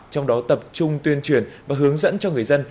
trong đó tập trung tuyên truyền và hướng dẫn cho người dân